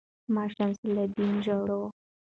ـ ما شمس الدين ژاړو